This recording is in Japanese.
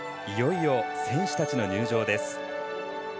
いよいよ選手たちの入場です。